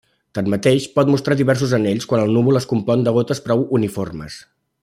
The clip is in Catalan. Tanmateix, pot mostrar diversos anells quan el núvol es compon de gotes prou uniformes.